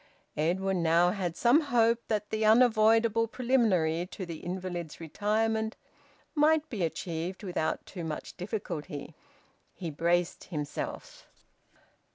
Edwin now had some hope that the unavoidable preliminary to the invalid's retirement might be achieved without too much difficulty. He braced himself.